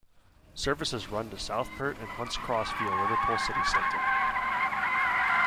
Services run to Southport and to Hunts Cross via Liverpool city centre.